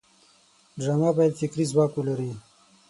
ډرامه باید فکري ځواک ولري